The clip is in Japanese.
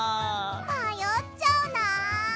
まよっちゃうな。